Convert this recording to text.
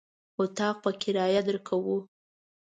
اطاق په کرايه درکوو.